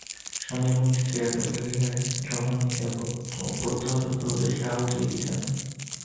স্বামী এবং স্ত্রী একত্র গৃহের যজ্ঞাগ্নিতে প্রত্যহ দেবতার উদ্দেশ্যে আহুতি দিতেন।